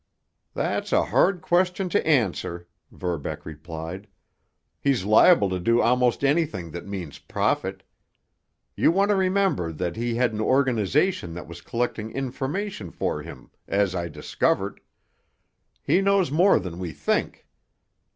"That's a hard question to answer," Verbeck replied. "He's liable to do almost anything that means profit. You want to remember that he had an organization that was collecting information for him, as I discovered. He knows more than we think.